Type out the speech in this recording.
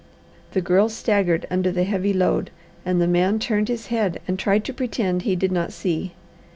The Girl staggered under the heavy load, and the man turned his head and tried to pretend he did not see.